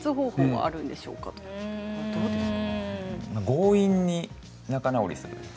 強引に仲直りする。